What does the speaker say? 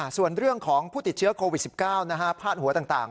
ส่วนเรื่องของผู้ติดเชื้อโควิด๑๙พาดหัวต่าง